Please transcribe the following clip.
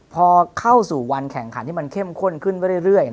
พอเข้าสู่วันแข่งขันที่มันเข้มข้นขึ้นไปเรื่อย